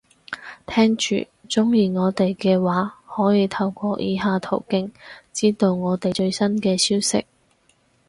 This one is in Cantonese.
聽住，鍾意我哋嘅話，可以透過以下途徑，知道我哋最新嘅消息